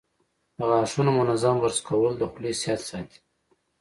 د غاښونو منظم برش کول د خولې صحت ساتي.